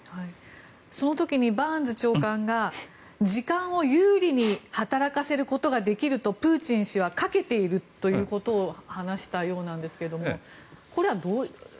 その時にバーンズ長官が時間を有利に働かせることができるとプーチン氏はかけているということを話したようですがこれはどういう。